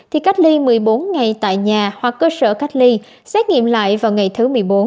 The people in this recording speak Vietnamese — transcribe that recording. thì cách ly một mươi bốn ngày tại nhà hoặc cơ sở cách ly xét nghiệm lại vào ngày thứ một mươi bốn